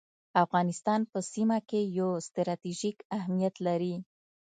افغانستان په سیمه کي یو ستراتیژیک اهمیت لري